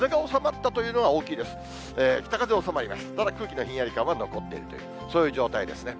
ただ、空気のひんやり感は残っているという、そういう状態ですね。